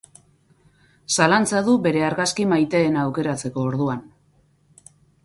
Zalantza du bere argazki maiteena aukeratzeko orduan.